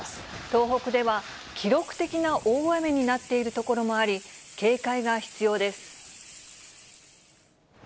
東北では、記録的な大雨になっている所もあり、警戒が必要です。